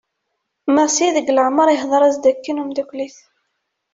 Massi deg leɛmer ihder-as-d akken umddakel-is.